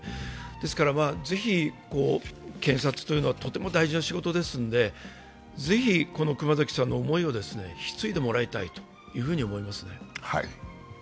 ですから、ぜひ、検察というのはとても大事な仕事ですので、ぜひ、この熊崎さんの思いを引き継いでもらいたいと思いますね。